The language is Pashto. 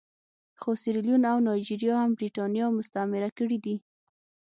خو سیریلیون او نایجیریا هم برېټانیا مستعمره کړي دي.